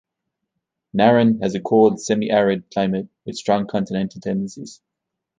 Naryn has a cold semi-arid climate with strong continental tendencies.